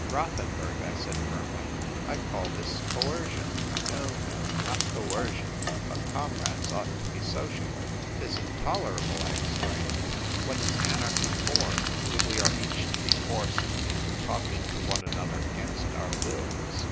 " Rothenburg," I said firmly, " I call this coercion." " No, no ; not coercion ; but comrades ought to be sociable." " 'Tis intolerable !" I exclaimed. " What is anarchy for, if we are each to be forced into talking to one another against our wills